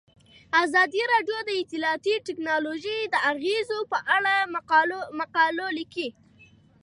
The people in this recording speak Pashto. ازادي راډیو د اطلاعاتی تکنالوژي د اغیزو په اړه مقالو لیکلي.